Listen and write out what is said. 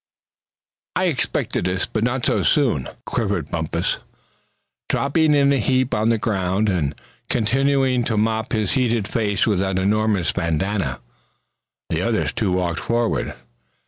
"I expected this, but not so soon!" quavered Bumpus, dropping in a heap on the ground, and continuing to mop his heated face with that enormous bandana. The other two walked forward.